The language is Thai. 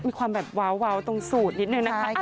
มีความแบบวาวตรงสูตรนิดนึงนะคะ